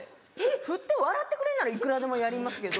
ふって笑ってくれんならいくらでもやりますけど。